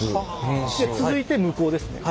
続いて向こうですね。